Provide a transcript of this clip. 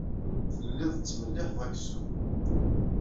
Telliḍ tettmelliḥeḍ aksum.